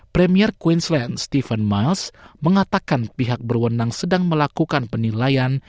premier queensland stephen miles mengatakan pihak berwenang sedang melakukan penilaian